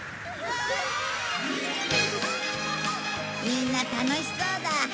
みんな楽しそうだ。